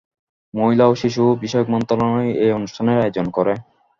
মহিলা ও শিশু বিষয়ক মন্ত্রণালয় এ অনুষ্ঠানের আয়োজন করে।